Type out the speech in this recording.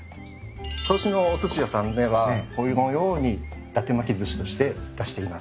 銚子のおすし屋さんではこのように伊達巻寿司として出しています。